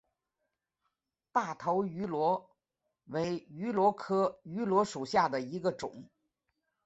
大头芋螺为芋螺科芋螺属下的一个种。